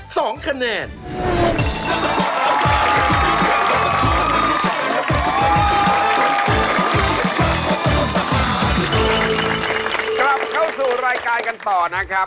สวัสดีครับ